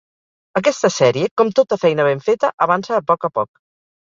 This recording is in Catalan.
Aquesta sèrie, com tota feina ben feta, avança a poc a poc.